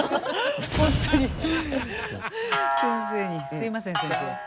すみません先生。